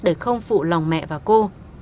để không phụ lòng mẹ và cô